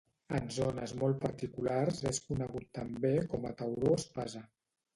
En zones molt particulars és conegut també com a tauró espasa.